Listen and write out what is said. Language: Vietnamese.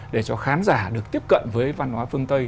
để cho khán giả được tiếp cận với văn hóa phương tây